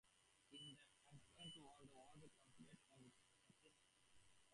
In the ancient world he was considered an atheist.